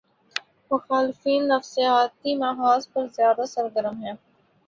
مخالفین نفسیاتی محاذ پر زیادہ سرگرم ہیں۔